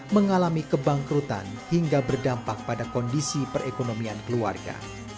mengalami kebangkrutan hingga berdampak pada kondisi perekonomian keluarga